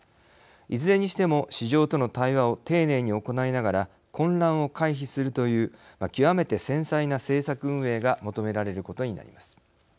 いずれにしても、市場との対話を丁寧に行いながら混乱を回避するという極めて繊細な政策運営が求められることになります。